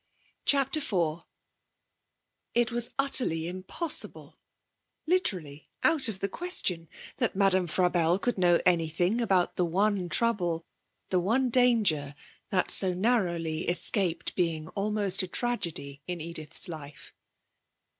CHAPTER IV It was utterly impossible, literally out of the question, that Madame Frabelle could know anything about the one trouble, the one danger, that so narrowly escaped being almost a tragedy, in Edith's life.